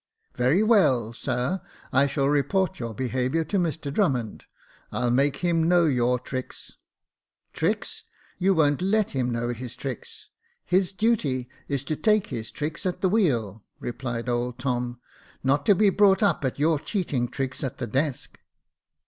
"Very well, sir, I shall report your behaviour to Mr Drummond. I'll make him know your tricks." " Tricks ! you won't let him know his tricks. His duty is to take his trick at the wheel," replied old Tom •," not to be brought up at your cheating tricks at the desk."